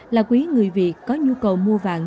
là quý người việt có nhu cầu mua vàng